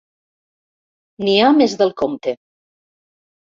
N'hi ha més del compte.